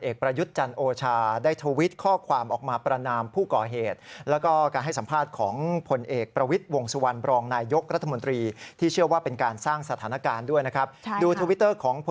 เอกปรยุทธ์จันทร์โอชากันก่อน